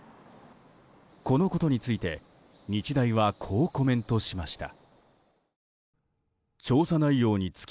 このことについて日大はこうコメントしました。